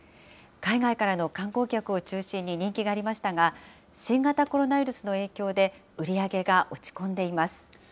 海外からの観光客を中心に人気がありましたが、新型コロナウイルスの影響で、売り上げが落ち込んでいます。